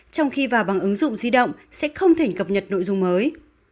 trong khi vào bằng ứng dụng di động sẽ không thể cập nhật nội dung mới